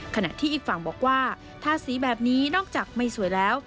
ขณะที่อีกฝั่งบอกว่าทาสีแบบนี้นอกจากไม่สวยแล้ว